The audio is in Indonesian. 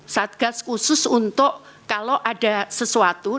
satgas khusus untuk kalau ada sesuatu